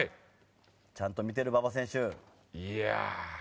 ちゃんと見てる馬場選手。